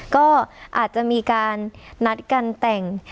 ก็อาจจะมีการนัดกันแต่ง